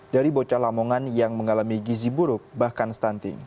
dari bocah lamongan yang mengalami gizi buruk bahkan stunting